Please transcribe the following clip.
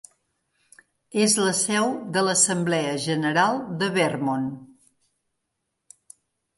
És la seu de l'Assemblea General de Vermont.